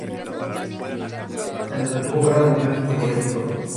En donde tuvo grandes momentos futbolísticos.